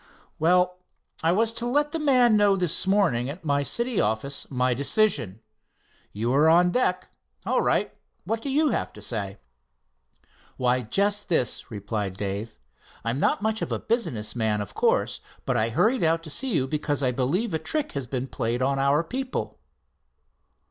"Well, I was to let the man know this morning at my city office my decision. You are on deck. All right, what have you got to say?" "Why, just this," replied Dave: "I'm not much of a business man, of course, but I hurried on to see you because I believe a trick has been played on our people."